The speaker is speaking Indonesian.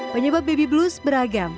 penyebab baby blows beragam